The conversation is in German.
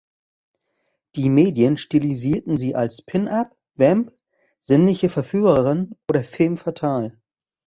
Die Medien stilisierten sie als "Pin-Up", "Vamp", "sinnliche Verführerin" oder "Femme fatale".